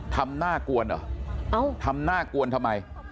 ทำหน้ากวนเหรอทำหน้ากวนทำไม